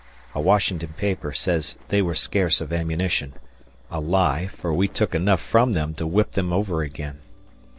A Washington paper says they were scarce of ammunition a lie, for we took enough from them to whip them over again.